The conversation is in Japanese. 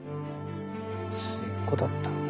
末っ子だったんだ。